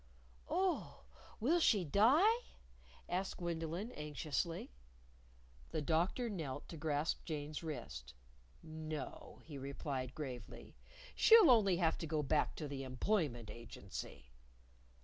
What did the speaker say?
"Oh, will she die?" asked Gwendolyn, anxiously. The Doctor knelt to grasp Jane's wrist. "No," he answered gravely; "she'll only have to go back to the Employment Agency."